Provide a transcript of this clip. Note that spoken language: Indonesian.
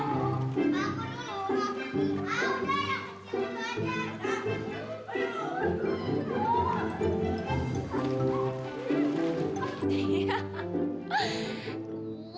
tunggu sebentar mama